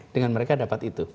dengan mereka dapat itu